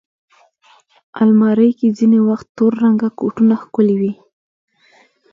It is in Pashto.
الماري کې ځینې وخت تور رنګه کوټونه ښکلي وي